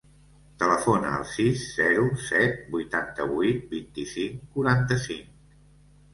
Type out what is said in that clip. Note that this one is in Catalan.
Telefona al sis, zero, set, vuitanta-vuit, vint-i-cinc, quaranta-cinc.